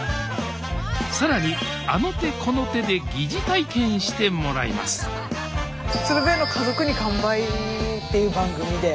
更にあの手この手で疑似体験してもらいます「鶴瓶の家族に乾杯」っていう番組で。